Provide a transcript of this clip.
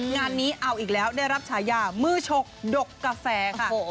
งานนี้เอาอีกแล้วได้รับฉายามือชกดกกาแฟค่ะ